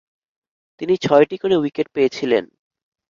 তিনি ছয়টি করে উইকেট পেয়েছিলেন।